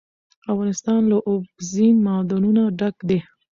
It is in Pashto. افغانستان له اوبزین معدنونه ډک دی.